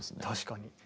確かに。